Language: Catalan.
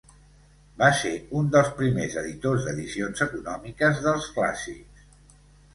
Va ser un dels primers editors d'edicions econòmiques dels clàssics.